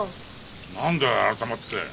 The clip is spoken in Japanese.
何だよ改まって。